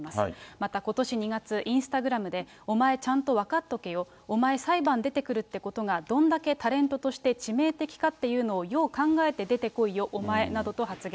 またことし２月、インスタグラムで、お前、ちゃんと分かっとけよ、お前、裁判出てくるってことがどんだけタレントとして致命的かっていうのをよう考えて出てこいよ、お前などと発言。